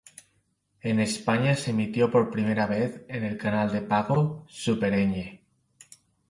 En España se emitió por primera vez en el canal de pago Super Ñ.